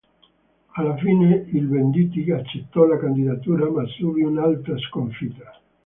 Alla fine il Venditti accettò la candidatura ma subì un'altra sconfitta.